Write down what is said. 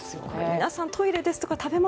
皆さんトイレですとか食べ物